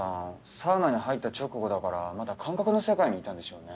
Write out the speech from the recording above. サウナに入った直後だからまだ感覚の世界にいたんでしょうね。